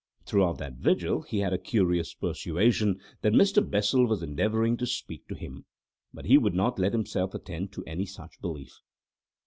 Throughout that vigil he had a curious persuasion that Mr. Bessel was endeavouring to speak to him, but he would not let himself attend to any such belief.